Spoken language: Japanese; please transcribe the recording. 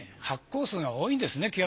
発行数が多いんですね